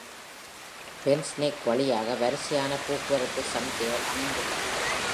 Benz Neck வழியாக வரிசையான போக்குவரத்து சமிஞ்ஞைகள் அமைந்துள்ளன.